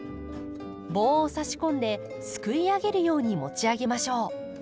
棒をさし込んですくい上げるように持ち上げましょう。